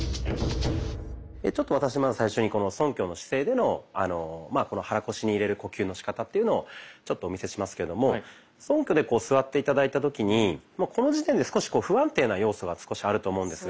ちょっと私まず最初にそんきょの姿勢での肚腰に入れる呼吸のしかたというのをちょっとお見せしますけどもそんきょで座って頂いた時にこの時点で少し不安定な要素が少しあると思うんですが。